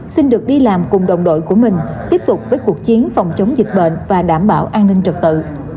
xin được đi làm cùng đồng đội của mình tiếp tục với cuộc chiến phòng chống dịch bệnh và đảm bảo an ninh trật tự